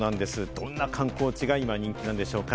どんな観光地が今、人気なんでしょうか？